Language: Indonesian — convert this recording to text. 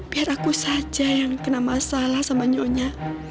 biar aku saja yang kena masalah sama nyonya